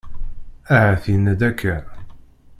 Ahat yenna-d akka.